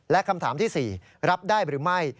และคำถามที่๔รับได้หรือไม่